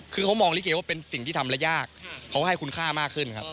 เขามองลิเกย์ว่าเป็นสิ่งทำละยากเพราะว่าให้คุณค่ามากขึ้น